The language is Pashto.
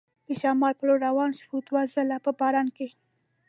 د شمال په لور روان شو، دوه ځله په باران کې.